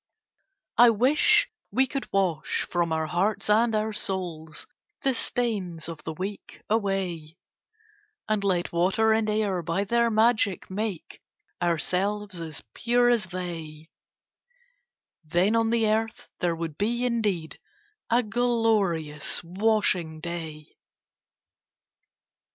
I wish we could wash from our hearts and our souls The stains of the week away, And let water and air by their magic make Ourselves as pure as they; Then on the earth there would be indeed A glorious washing day!